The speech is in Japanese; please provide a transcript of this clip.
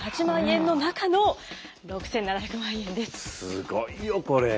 すごいよこれ。